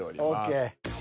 ＯＫ。